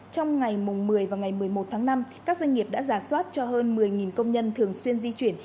trong ngày một mươi và ngày một mươi một tháng năm các doanh nghiệp đã giả soát cho hơn một mươi công nhân thường xuyên di chuyển